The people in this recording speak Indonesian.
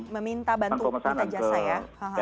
meminta bantuan jasa ya